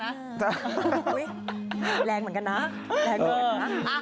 แรงเหมือนกันนะแรงเกินนะ